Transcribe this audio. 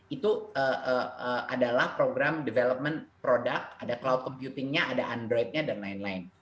itu adalah program development product ada cloud computing nya ada android nya dan lain lain